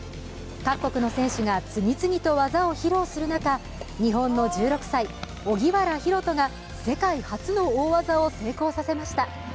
各国の選手が次々と技を披露する中、日本の１６歳、荻原大翔が世界初の大技を成功させました。